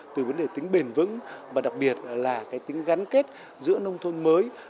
từ vấn đề tính bền vững và đặc biệt là tính gắn kết giữa nông thôn mới